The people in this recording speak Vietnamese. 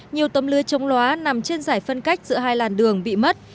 nhiều tấm lưới chống loá nằm trên giải phân cách giữa hai làn đường bị mất